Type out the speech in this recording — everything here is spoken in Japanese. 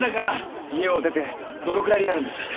家を出てどのくらいになるんです？